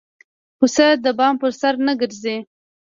پسه د بام پر سر نه ګرځي.